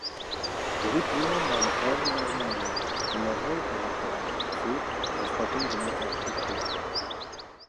Գյուղի կլիման բարեխառն լեռնային է, ձմեռները տևական են, ցուրտ, հաստատուն ձնածածկույթով։